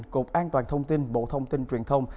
cục an toàn thông tin bộ thông tin truyền thông